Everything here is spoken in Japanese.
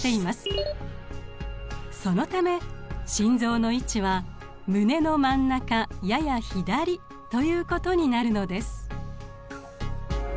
そのため心臓の位置は胸の真ん中やや左ということになるのです。